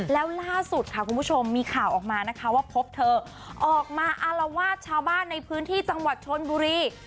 แล้วล่าสุดค่ะคุณผู้ชมมีข่าวออกมานะคะว่าพบเธอออกมาอารวาสชาวบ้านในพื้นที่จังหวัดชนบุรี